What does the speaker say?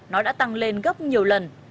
nó đã tăng lên gấp nhiều lần